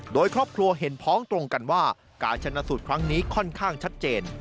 โดยครอบครัวเห็นพ้องตรงกันว่าการชนะสูตรครั้งนี้ค่อนข้างชัดเจน